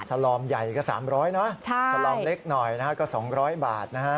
ชลอมใหญ่ก็๓๐๐บาทชลอมเล็กหน่อยก็๒๐๐บาทนะค่ะ